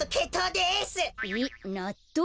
えっなっとう？